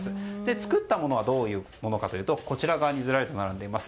作ったものはどういうものかというとこちら側にずらりと並んでいます。